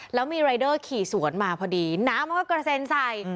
แล้วมีรายเดอร์ขี่สวนมาพอดีน้ำมันก็กระเซ็นใส่